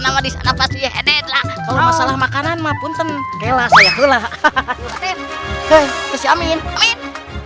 nama di sana pasti enak kalau masalah makanan maupun ten kelas ya allah hahaha kecemin